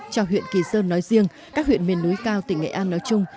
cho huyện kỳ sơn nói riêng các huyện miền núi cao tỉnh nghệ an nói chung